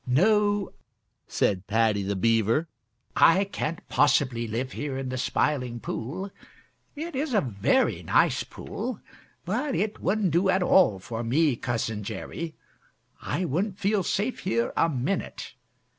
"No," said Paddy the Beaver, "I can't possibly live here in the Smiling Pool. It is a very nice pool, but it wouldn't do at all for me, Cousin Jerry. I wouldn't feel safe here a minute.